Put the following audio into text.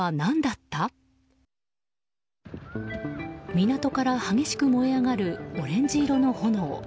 港から激しく燃え上がるオレンジ色の炎。